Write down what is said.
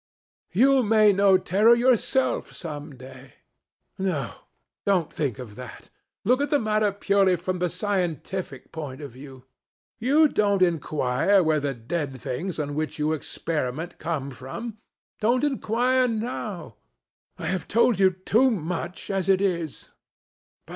You may know terror yourself some day. No! don't think of that. Look at the matter purely from the scientific point of view. You don't inquire where the dead things on which you experiment come from. Don't inquire now. I have told you too much as it is.